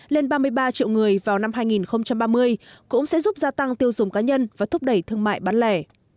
lên ba mươi ba triệu người vào năm hai nghìn ba mươi cũng sẽ giúp gia tăng tiêu dùng cá nhân và thúc đẩy thương mại bán lẻ